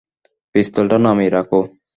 পিস্তলটা নামিয়ে রাখো।